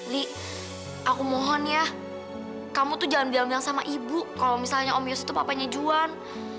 li aku mohon ya kamu tuh jangan bilang bilang sama ibu kalau misalnya om yus itu papanya juan